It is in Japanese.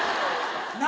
何？